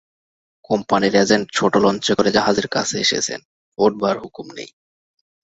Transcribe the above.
কোম্পানীর এজেণ্ট ছোট লঞ্চে করে জাহাজের কাছে এসেছেন, ওঠবার হুকুম নেই।